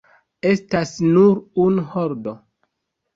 Estas nur unu holdo.